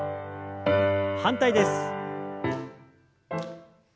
反対です。